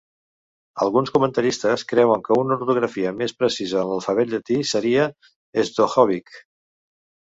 Alguns comentaristes creuen que una ortografia més precisa en l'alfabet llatí seria "Sdohobich".